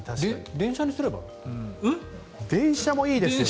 電車もいいですよね。